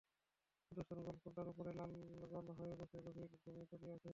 সুদর্শন গোল ফুলটার ওপরে গোলগাল হয়ে বসে গভীর ঘুমে তলিয়ে আছে পাখিটি।